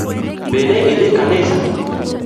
Be ne idhi kanisa?